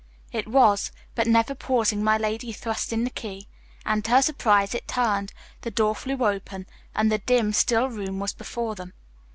It was, but never pausing my lady thrust in the key, and to her surprise it turned, the door flew open, and the dim, still room was before them.